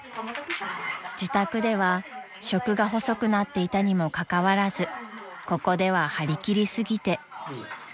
［自宅では食が細くなっていたにもかかわらずここでは張り切りすぎて］